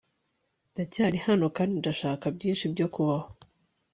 ndacyari hano kandi ndashaka byinshi byo kubaho